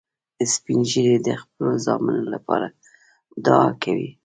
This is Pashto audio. سپین ږیری د خپلو زامنو لپاره دعا کوي